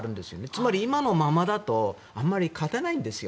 つまり今のままだとあまり勝てないんですよ。